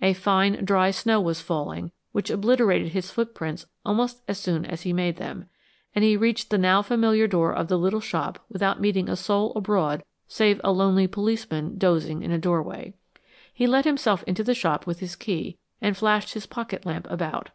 A fine dry snow was falling, which obliterated his footprints almost as soon as he made them, and he reached the now familiar door of the little shop without meeting a soul abroad save a lonely policeman dozing in a doorway. He let himself into the shop with his key and flashed his pocket lamp about.